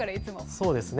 そうですね。